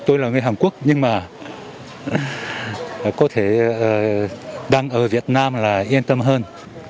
tôi là người hàn quốc nhưng mà có thể đang ở việt nam là yên tâm hơn